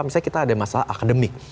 misalnya kita ada masalah akademik